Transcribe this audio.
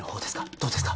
どうですか？